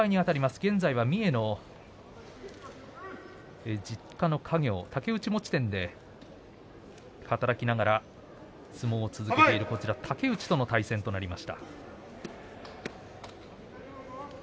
現在は三重の実家の家業竹内餅店で働きながら相撲を続けている竹内との対戦となります。